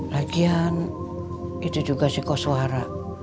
lagian itu juga si kos suara